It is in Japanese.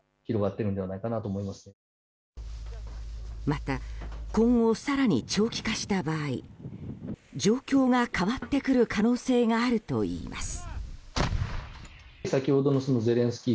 また今後、更に長期化した場合状況が変わってくる可能性があるといいます。